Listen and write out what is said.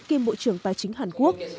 kim bộ trưởng tài chính hàn quốc